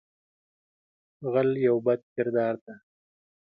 غل یو بد کردار دی